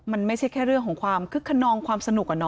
มันไม่ใช่แค่เรื่องของความคึกขนองความสนุก